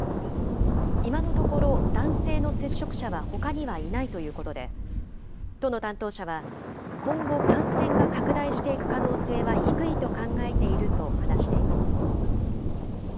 今のところ、男性の接触者はほかにはいないということで、都の担当者は、今後、感染が拡大していく可能性は低いと考えていると話しています。